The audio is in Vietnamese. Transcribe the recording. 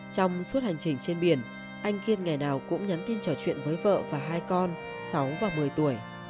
trong suốt hành trình trên biển anh kiên ngày nào cũng nhắn tin trò chuyện với vợ và hai con sáu và một mươi tuổi